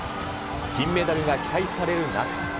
金メダルが期待される中。